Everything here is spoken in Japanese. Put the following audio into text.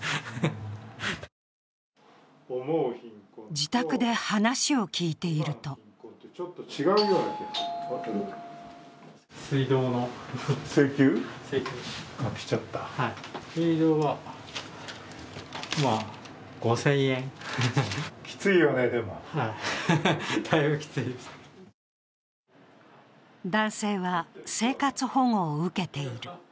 自宅で話を聞いていると男性は生活保護を受けている。